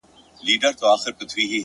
• هيواد مي هم په ياد دى ـ